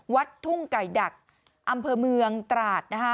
วัดทุ่งไก่ดักอำเภอเมืองตราดนะคะ